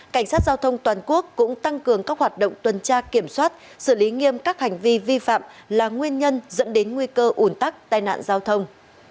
cảnh sát giao thông các địa phương huy động cũng tăng cường các hoạt động tuần tra kiểm soát xử lý nghiêm các hành vi vi phạm là nguyên nhân dẫn đến nguy cơ ủn tắc tai nạn giao thông